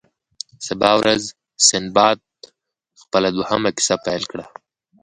سبا ورځ سنباد خپله دوهمه کیسه پیل کړه.